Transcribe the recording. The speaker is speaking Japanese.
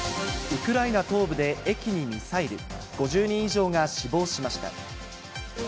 ５０人以上が死亡しました。